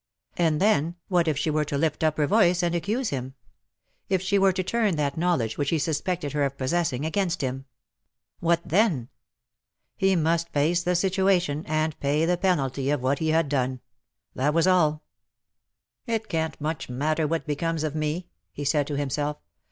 And then, what if she were to lift up her voice, and accuse him — if she were to turn that knowledgewhichhesuspected her of possessing, against him ? What then ? He must face the situation, and pay the penalty of what he had done. That was all. VOL. III. Q 226 '^LOVE BORE SUCH BITTER " It can^t much matter what becomes of me/' he said to himself.